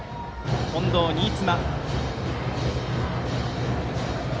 近藤、新妻。